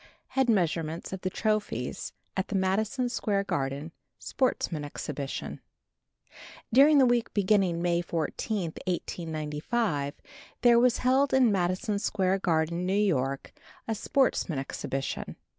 Head Measurements of the Trophies at the Madison Square Garden Sportsmen's Exhibition During the week beginning May 14, 1895, there was held in Madison Square Garden, New York, a Sportsmen's Exhibition.